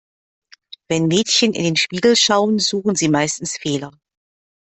Wenn Mädchen in den Spiegel schauen, suchen sie meistens Fehler.